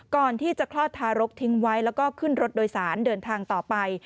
ก่อนที่จะคลอดทารกทิ้งไว้แล้วก็ขึ้นรถโดยสารเดินทางต่อไป